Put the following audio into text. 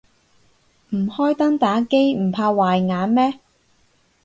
唔開燈打機唔怕壞眼咩